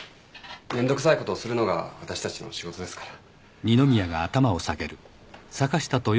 めんどくさいことをするのが私たちの仕事ですから。